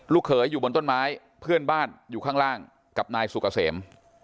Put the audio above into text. เขยอยู่บนต้นไม้เพื่อนบ้านอยู่ข้างล่างกับนายสุกเกษม